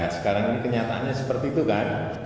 sekarang ini kenyataannya seperti itu kan